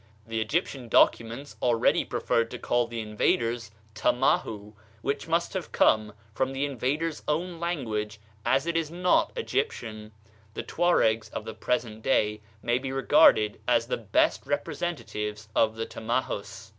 The Egyptian documents already referred to call the invaders Tamahu, which must have come from the invaders' own language, as it is not Egyptian. The Tuaregs of the present day may be regarded as the best representatives of the Tamahus.